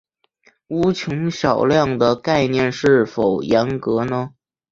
无穷小量的概念是否严格呢？